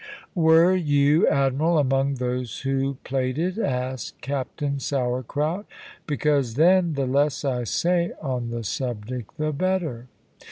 "Were you, admiral, among those who played it?" asked Captain Sourcrout "because then the less I say on the subject the better."